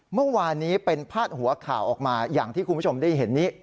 เมื่อวานนี้เป็นพาดหัวข่าวออกมาอย่างที่คุณผู้ชมได้เห็นนี้